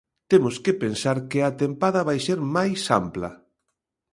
Temos que pensar que a tempada vai ser máis ampla.